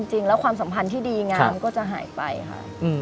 ความสัมพันธ์ที่ดีงามก็จะหายไปค่ะ